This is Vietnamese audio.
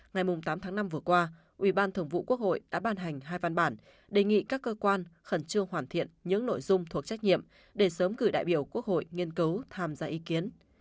ngày tám tháng năm vừa qua ủy ban thường vụ quốc hội đã ban hành hai văn bản đề nghị các cơ quan khẩn trương hoàn thiện những nội dung thuộc trách nhiệm để sớm cử đại biểu quốc hội nghiên cứu tham gia ý kiến